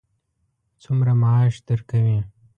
څومره معاش درکوي.